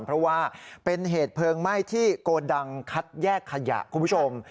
เพราะว่าเป็นเหตุเพลิงไหม้ที่โกดังคัดแยกขยะคุณผู้ชม